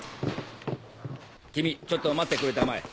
君ちょっと待ってくれたまえ。